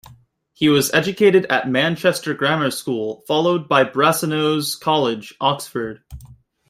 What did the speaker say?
He was educated at Manchester Grammar School, followed by Brasenose College, Oxford.